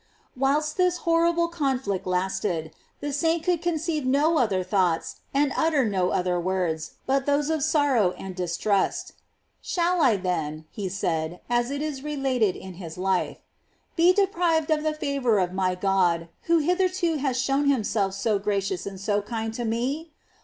Whilst this horrible conflict lasted, the saint could conceive no other thoughts and utter no other words but those of sorrow and distrust. ''Shall I, then," he said, as it is related in his life, "be deprived of the favor of my God, who hitherto has shown himself so gracious and so kind to me?